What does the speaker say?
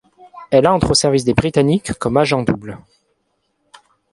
Elle entre au service des Britanniques comme agent double.